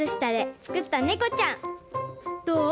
どう？